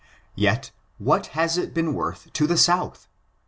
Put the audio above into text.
Yet what has it been woith to the South